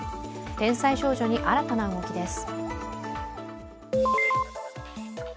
天才少女に新たな動きです。